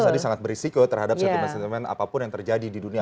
jadi sangat berisiko terhadap sentiment sentiment apapun yang terjadi di dunia